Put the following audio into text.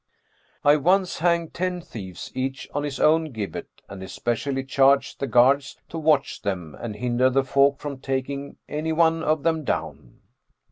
"I once hanged ten thieves each on his own gibbet, and especially charged the guards to watch them and hinder the folk from taking any one of them down.